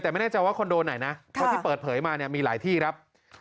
แต่ไม่แน่ใจว่าคอนโดไหนนะเพราะที่เปิดเผยมาเนี่ยมีหลายที่ครับ